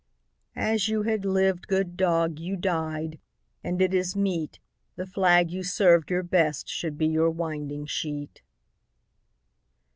As you had lived, good dog, you died, And it is meet The flag you served your best should be Your winding sheet.